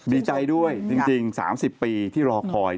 ดีใจด้วยจริง๓๐ปีที่รอคอย